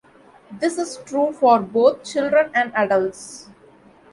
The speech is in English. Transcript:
This is true for both children and adults.